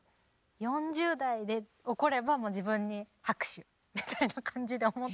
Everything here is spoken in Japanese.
４０代で起これば自分に拍手みたいな感じで思ってたので。